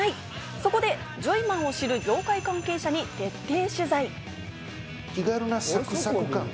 そこでジョイマンを知る業界関係者に徹底取材。